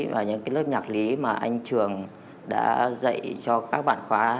và những lớp nhạc lý mà anh trường đã dạy cho các bạn khóa